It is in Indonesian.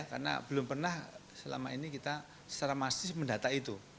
karena belum pernah selama ini kita secara masif mendata itu